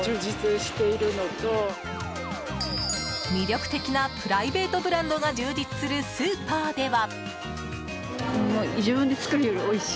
魅力的なプライベートブランドが充実するスーパーでは。